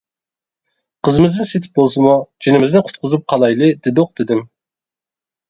قىزىمىزنى سېتىپ بولسىمۇ, جېنىمىزنى قۇتقۇزۇپ قالايلى دېدۇق, دېدىم.